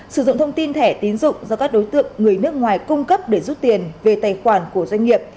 sử dụng thông tin thẻ tiến dụng do các đối tượng người nước ngoài cung cấp để rút tiền về tài khoản của doanh nghiệp